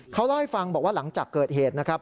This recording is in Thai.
เขาเล่าให้ฟังบอกว่าหลังจากเกิดเหตุนะครับ